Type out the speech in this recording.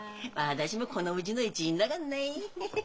私もこのうちの一員だかんない。